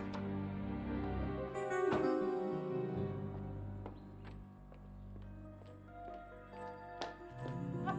apaan kamu kesini lagi